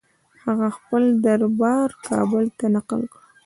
هغه خپل دربار کابل ته نقل کړ.